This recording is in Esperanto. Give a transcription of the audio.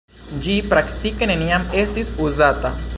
Ĝi praktike neniam estis uzata.